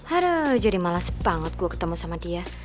aduh jadi malas banget gue ketemu sama dia